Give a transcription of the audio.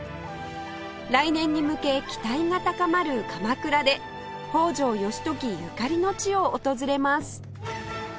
来年に向け期待が高まる鎌倉で北条義時ゆかりの地を訪れます